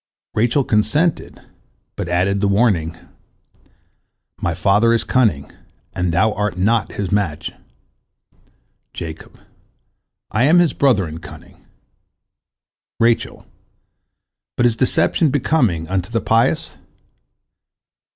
Rachel consented, but added the warning: "My father is cunning, and thou art not his match." Jacob: "I am his brother in cunning." Rachel: "But is deception becoming unto the pious?"